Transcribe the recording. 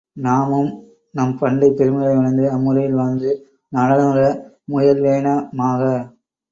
நாமும் நம் பண்டைப் பெருமைகளையுணர்ந்து அம்முறையில் வாழ்ந்து நலனுற முயல்வேனமாக.